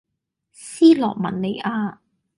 斯洛文尼亞